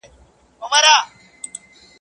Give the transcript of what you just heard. بد مه کوه، بد به نه در رسېږي.